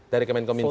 dari kemenkom info